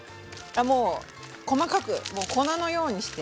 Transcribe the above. もう細かくもう粉のようにして。